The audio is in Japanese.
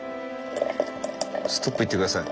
ストップ言ってください。